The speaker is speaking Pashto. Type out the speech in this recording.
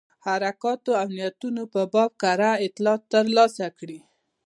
حرکاتو او نیتونو په باب کره اطلاعات ترلاسه کړي.